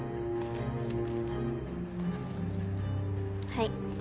はい。